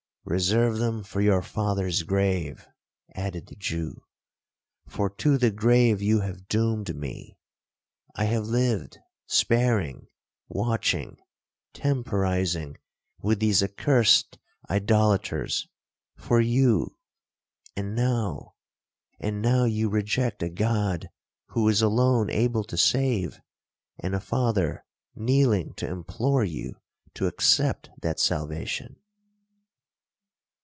'—'Reserve them for your father's grave,' added the Jew, 'for to the grave you have doomed me.—I have lived, sparing, watching, temporizing, with these accursed idolaters, for you. And now—and now you reject a God who is alone able to save, and a father kneeling to implore you to accept that salvation.'